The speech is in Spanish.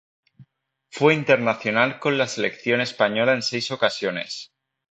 Fue internacional con la selección española en seis ocasiones.